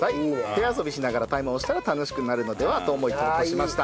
手遊びしながらタイマーを押したら楽しくなるのではと思い投稿しました。